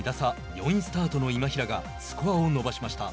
スタートの今平がスコアを伸ばしました。